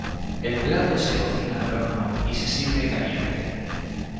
El plato se cocina al horno y se sirve caliente.